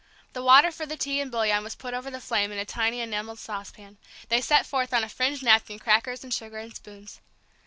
The water for the tea and bouillon was put over the flame in a tiny enamelled saucepan; they set forth on a fringed napkin crackers and sugar and spoons.